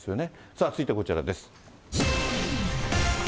さあ、続いてこちらです。